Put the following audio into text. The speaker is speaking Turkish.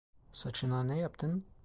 Saçına ne yaptın?